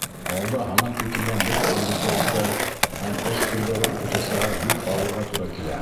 Алда һанап кителгән бөтә үҙенсәлектәр һәм эш төрҙәре уҡытыусыға бик ауырға тура килә.